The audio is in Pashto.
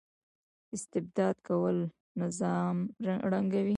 استبداد کول نظام ړنګوي